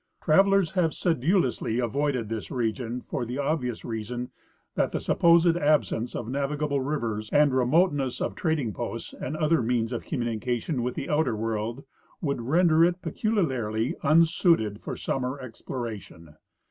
Travelers have sedulously avoided this region for the obvious reason that the supposed absence of navigable rivers and remoteness of trading posts and other means of communication with the outer world would render it peculiarly unsuited for summer exploration.